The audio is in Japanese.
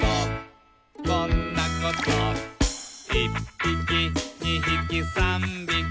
「こんなこと」「いっぴきにひきさんびき」